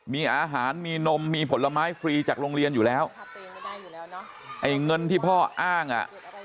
มีอาหารมีนมมีผลไม้ฟรีจากโรงเรียนอยู่แล้วไอ้เงินที่พ่ออ้างอ่ะ